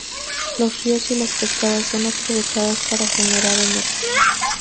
Los ríos y las cascadas son aprovechadas para generar energía.